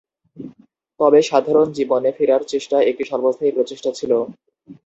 তবে, সাধারণ জীবনে ফেরার চেষ্টা একটি স্বল্পস্থায়ী প্রচেষ্টা ছিল।